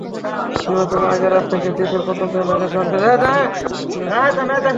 নির্বাচনের আগের রাত থেকে দ্বীপের প্রত্যন্ত এলাকায় সহিংসতার গুজব ছড়িয়ে পড়ে।